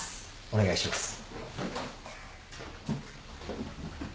お願いします。